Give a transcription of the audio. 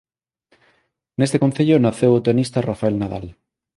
Neste concello naceu o tenista Rafael Nadal.